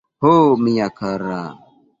Ho, mia kara!